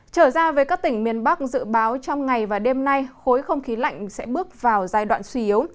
trở ra với các tỉnh miền bắc dự báo trong ngày và đêm nay khối không khí lạnh sẽ bước vào giai đoạn suy yếu